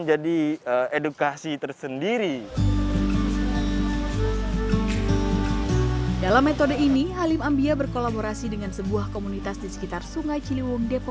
jadi dia mutusin buat ngapus tato